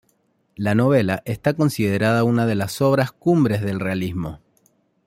La novela está considerada una de las obras cumbres del realismo.